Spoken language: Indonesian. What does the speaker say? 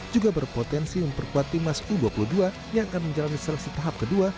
juga berpotensi memperkuat timnas u dua puluh dua yang akan menjalani seleksi tahap kedua